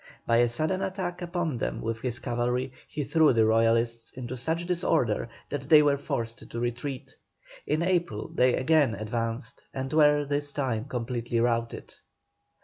By a sudden attack upon them with his cavalry, he threw the Royalists into such disorder that they were forced to retreat. In April they again advanced and were this time completely routed.